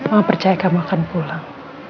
mama percaya kamu akan pulang